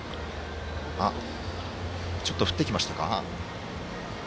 ちょっと降ってきましたか？